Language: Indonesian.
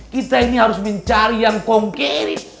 kita harus mencari hal yang konkrit